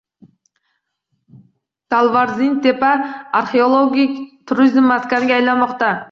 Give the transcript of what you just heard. Dalvarzintepa – arxeologik turizm maskaniga aylanmoqda